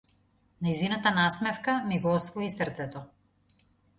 Нејзината насмевка ми го освои срцето.